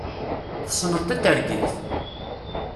Tesneḍ tatergit?